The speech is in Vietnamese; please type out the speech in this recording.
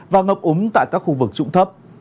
và ngập úng tại các khu vực trụng thấp